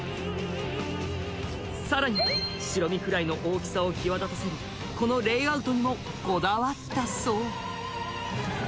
さらに白身フライの大きさを際立たせるこのレイアウトにもこだわったそう